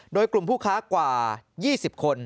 โดยกลุ่มผู้ค้ากว่า๒๐คน